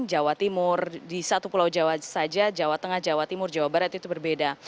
jawa timur di satu pulau jawa saja jawa tengah jawa timur jawa barat itu berbeda